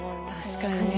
確かに。